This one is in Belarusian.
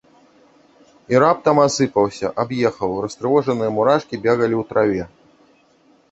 І раптам асыпаўся, аб'ехаў, растрывожаныя мурашкі бегалі ў траве.